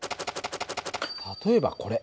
例えばこれ。